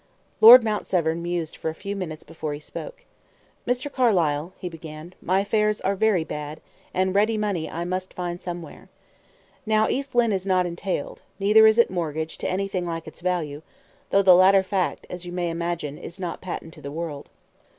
Lord Mount Severn mused for a few moments before he spoke. "Mr. Carlyle," he began, "my affairs are very bad, and ready money I must find somewhere. Now East Lynne is not entailed, neither is it mortgaged to anything like its value, though the latter fact, as you may imagine, is not patent to the world.